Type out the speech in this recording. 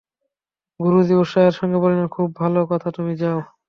গুরুজি উৎসাহের সঙ্গে বলিলেন, খুব ভালো কথা, তুমি যাও।